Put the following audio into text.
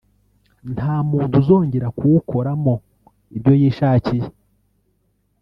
nta muntu uzongera kuwukoramo ibyo yishakiye